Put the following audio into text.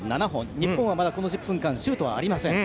日本はまだこの１０分間シュートはありません。